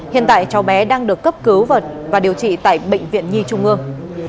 hiện tại cháu bé đang được cấp cứu và điều trị tại bệnh viện nhi trung ương